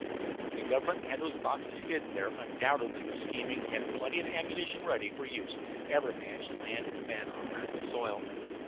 "The government that had those boxes hidden there undoubtedly was scheming to have plenty of ammunition ready for use if it ever managed to land its men on American soil.